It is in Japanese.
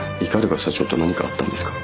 鵤社長と何かあったんですか？